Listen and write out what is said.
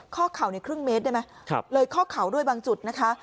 ข้อเข่าในครึ่งเมตรได้ไหมเลยข้อเข่าด้วยบางจุดนะคะ